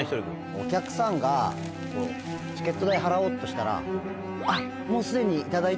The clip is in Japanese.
お客さんがチケット代を払おうとしたら「あっもうすでに」。